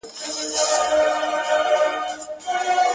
ما خو پهٔ کاڼو کې غمی و نه ليد.